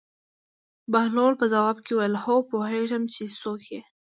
بهلول په ځواب کې وویل: هو پوهېږم چې څوک یې.